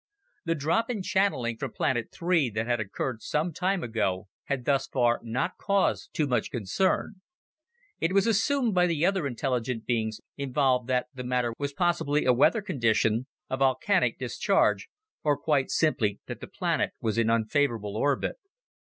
The drop in channeling from Planet III that had occurred some time ago had thus far not caused too much concern. It was assumed by the other intelligent beings involved that the matter was possibly a weather condition, a volcanic discharge or quite simply that the planet was in unfavorable orbit.